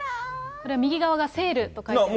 これ、右側がセールと書いてあります。